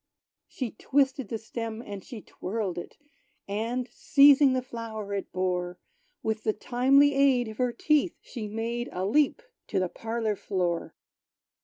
She twisted the stem, and she twirled it; And seizing the flower it bore, With the timely aid of her teeth, she made A leap to the parlor floor.